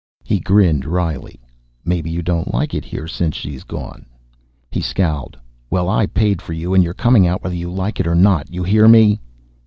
He grinned wryly. "Maybe you don't like it here since she's gone." He scowled. "Well, I paid for you, and you're coming out whether you like it or not. You hear me?"